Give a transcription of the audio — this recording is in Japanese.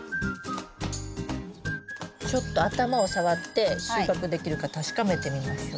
ちょっと頭を触って収穫できるか確かめてみましょう。